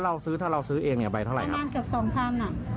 เราซื้อถ้าเราซื้อเองเนี่ยไปเท่าไหร่ประมาณเกือบสองพันอ่ะ